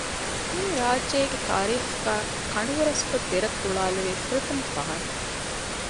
މިއީ ރާއްޖޭގެ ތާރީޚުގައި ކަނޑު ހުރަސްކޮށް ދެރަށް ގުޅާލެވޭ ފުރަތަމަ ފަހަރު